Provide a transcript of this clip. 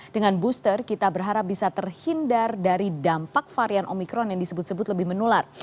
dengan booster kita berharap bisa terhindar dari dampak varian omikron yang disebut sebut lebih menular